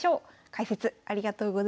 解説ありがとうございました。